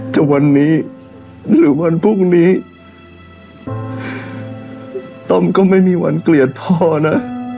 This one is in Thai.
จะวันนี้หรือวันพรุ่งนี้ต้อมก็ไม่มีวันเกลียดพ่อนะ